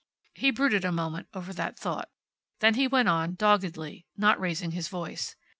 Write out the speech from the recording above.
He brooded a moment over that thought. Then he went on, doggedly, not raising his voice.